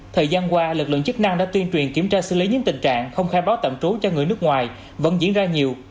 thời gian qua lực lượng chức năng đã tuyên truyền kiểm tra xử lý những tình trạng không khai báo tạm trú cho người nước ngoài vẫn diễn ra nhiều